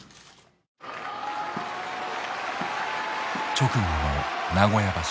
直後の名古屋場所。